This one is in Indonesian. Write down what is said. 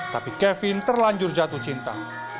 tapi kevin terlanjur jatuh cinta